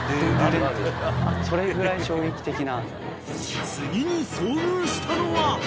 それぐらい衝撃的な。